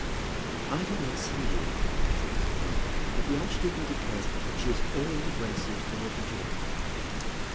"I have not seen her yet," said Mrs. Grantly; "but the archdeacon declares that she is all the graces rolled into one."